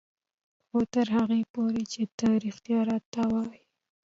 خو تر هغې پورې چې ته رښتيا راته وايې.